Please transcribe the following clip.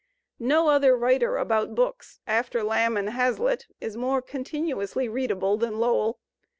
No other writer about books after Lamb and Hazlitt is more continuously readable than Lowell.